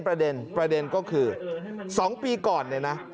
ประเด็นก็คือ๒ปีก่อนเนี่ยนะ